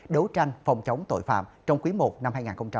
đấu tranh phòng chống tội phạm trong quý i năm hai nghìn hai mươi bốn